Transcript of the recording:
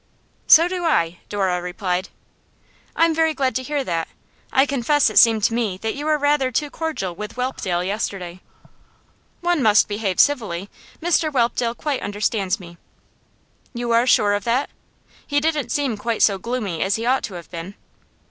'So do I,' Dora replied. 'I'm very glad to hear that. I confess it seemed to me that you were rather too cordial with Whelpdale yesterday.' 'One must behave civilly. Mr Whelpdale quite understands me.' 'You are sure of that? He didn't seem quite so gloomy as he ought to have been.